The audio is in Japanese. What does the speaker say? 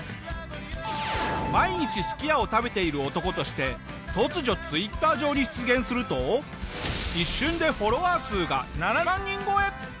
毎日すき家を食べている男として突如Ｔｗｉｔｔｅｒ上に出現すると一瞬でフォロワー数が７万人超え！